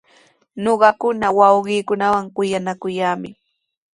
Ñuqakuna wawqiikunawan kuyanakuyaami.